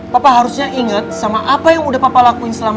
papa harusnya inget sama apa yang udah papa lakuin setelah itu